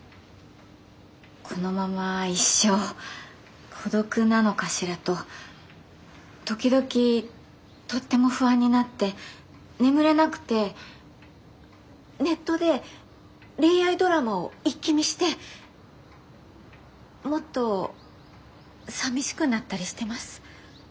このまま一生孤独なのかしらと時々とっても不安になって眠れなくてネットで恋愛ドラマを一気見してもっと寂しくなったりしてます。